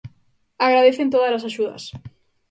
Agradecen tódalas axudas.